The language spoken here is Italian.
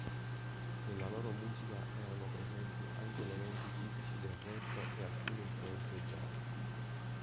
Nella loro musica erano presenti anche elementi tipici del rap e alcune influenze jazz.